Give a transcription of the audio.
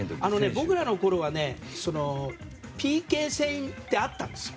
僕らのころはＰＫ戦ってあったんですよ。